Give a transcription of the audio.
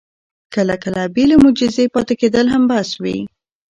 کله کله بې له معجزې پاتې کېدل هم بس وي.